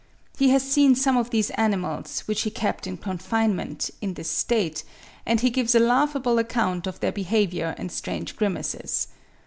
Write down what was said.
He has seen some of these animals, which he kept in confinement, in this state; and he gives a laughable account of their behaviour and strange grimaces.